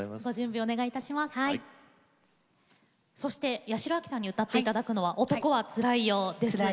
そして、八代亜紀さんに歌っていただくのは「男はつらいよ」です。